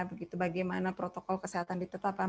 begitu bagaimana protokol kesehatan ditetapkan